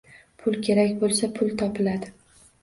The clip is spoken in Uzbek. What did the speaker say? Pul kerak bo‘lsa, pul topiladi.